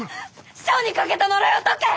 師匠にかけた呪いを解け！